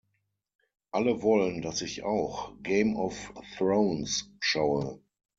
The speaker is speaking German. Alle wollen, dass ich auch Game of Thrones schaue.